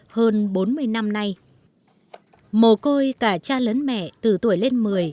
hơn bốn mươi năm nay mồ côi cả cha lẫn mẹ từ tuổi lên một mươi